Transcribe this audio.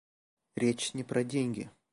Речь не про деньги.